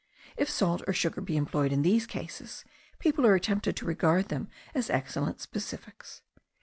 If salt or sugar be employed in these cases, people are tempted to regard them as excellent specifics.